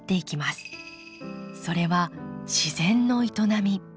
それは自然の営み。